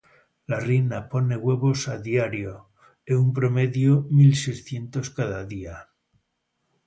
La reina pone huevos a diario, en un promedio mil seiscientos cada día.